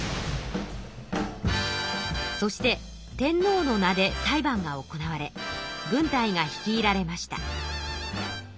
そして天皇の名で裁判が行われ軍隊が率いられました。